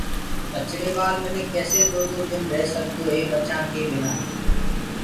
ٻچڙيوال مِنک ڪيسي دو دو دن ريه سگدوئيٚ ٻچآئينٚ بنآ